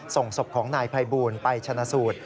ส่งศพของนายภัยบูลไปชนะสูตร